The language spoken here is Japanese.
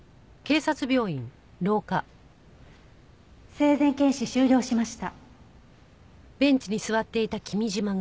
生前検視終了しました。